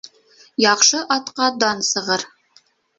Яҡшы атҡа дан сығыр